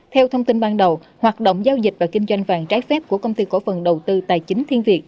theo thông tin ban đầu hoạt động giao dịch và kinh doanh vàng trái phép của công ty cổ phần đầu tư tài chính thiên việt